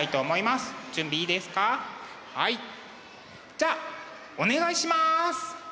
じゃあお願いします！